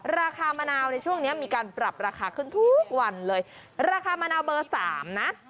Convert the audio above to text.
ราคามะนาวในช่วงเนี้ยมีการปรับราคาขึ้นทุกวันเลยราคามะนาวเบอร์สามนะ